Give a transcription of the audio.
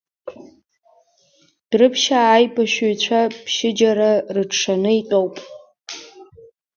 Дәрыԥшьаа аибашьыҩцәа ԥшьыџьара рыҽшаны итәоуп.